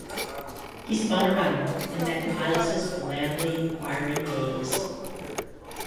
He spun around and met Miles's blandly inquiring gaze.